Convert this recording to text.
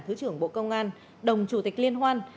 thứ trưởng bộ công an đồng chủ tịch liên hoan